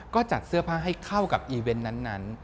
ก็จัดเสื้อผ้าให้เข้ากับอีเวนต์นั้น